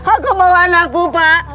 aku mohon aku pak